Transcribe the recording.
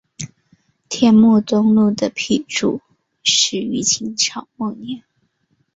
天目东路的辟筑始于清朝末年。